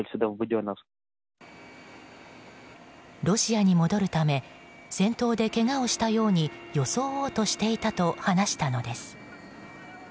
ロシアに戻るため戦闘でけがをしたように装うとしていたと話したのです。